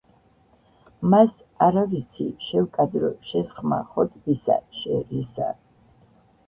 - მას, არა ვიცი, შევჰკადრო შესხმა ხოტბისა, შე - რისა,